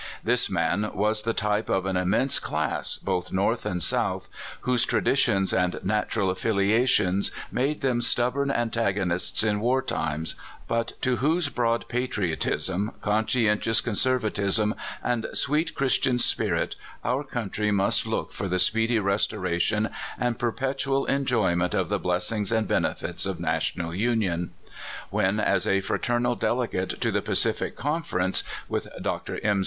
This man was the type of an immense class, both North and South, whose tra ditions and natural affiliations made them stub born antagonists in war times, but to whose broad patriotism, conscientious conservatism, and sweet Christian spirit, our country must look for the speedy restoration and jDcrpetual enjoyment of the blessings and benefits of national union. When, as a fraternal delegate to the Pacific Conference (with Dr. M.